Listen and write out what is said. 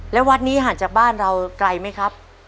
และวัดนี้ห่างจากบ้านเราไกลไหมครับ